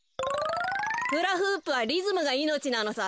フラフープはリズムがいのちなのさ。